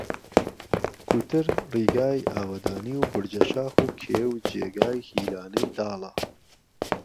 کوتر ڕیگای ئاوهدانی و بورجه شاخ و کێو جێگای هیلانەی داڵە